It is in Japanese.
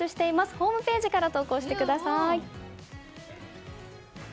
ホームページから投稿してください。